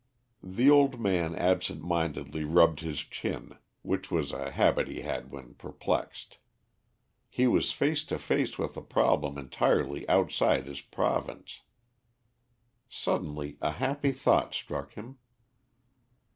The old man absent mindedly rubbed his chin, which was a habit he had when perplexed. He was face to face with a problem entirely outside his province. Suddenly a happy thought struck him.